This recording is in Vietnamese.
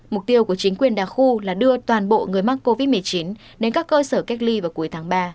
mục tiêu của chính quyền đà khu là đưa toàn bộ người mắc covid một mươi chín đến các cơ sở cách ly vào cuối tháng ba